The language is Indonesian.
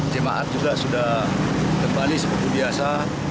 jemaat juga sudah kembali seperti biasa